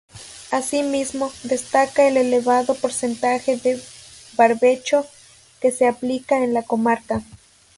Asimismo, destaca el elevado porcentaje de barbecho que se aplica en la comarca.